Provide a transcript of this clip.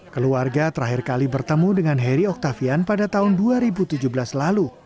keluarga terakhir kali bertemu dengan heri oktavian pada tahun dua ribu tujuh belas lalu